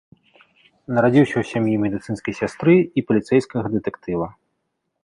Нарадзіўся ў сям'і медыцынскай сястры і паліцэйскага дэтэктыва.